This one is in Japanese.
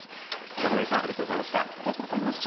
山神さん、ありがとうございました。